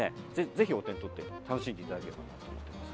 ぜひ、お手にとって楽しんでいただければと思います。